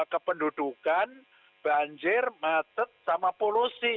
kependudukan banjir macet sama polusi